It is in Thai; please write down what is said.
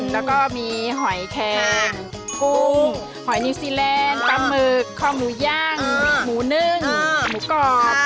แล้วก็มีหอยแคนกย์พรุงหอยนิวซีแลนด์ัวปำยร์กข้อนูญ่างหมูเนิ่งหมูกรอบ